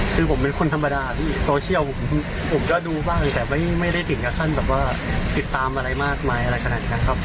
คือผมเป็นคนธรรมดาพี่โซเชียลผมก็ดูบ้างแต่ไม่ได้ถึงกับขั้นแบบว่าติดตามอะไรมากมายอะไรขนาดนั้นครับ